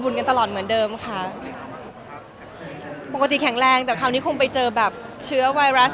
กันตลอดเหมือนเดิมค่ะปกติแข็งแรงแต่คราวนี้คงไปเจอแบบเชื้อไวรัส